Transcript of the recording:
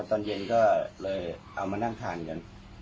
ตอนเย็นก็เลยเอามานั่งทานกัน